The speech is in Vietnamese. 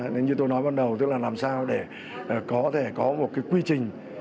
như tôi nói ban đầu tức là làm sao để có thể có một quy trình